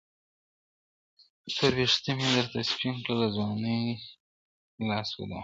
• تور وېښته مي درته سپین کړل له ځوانۍ لاس په دعا -